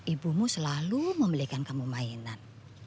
ibumu selalu membelikan kamu mainan